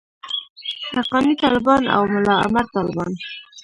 حقاني طالبان او ملاعمر طالبان.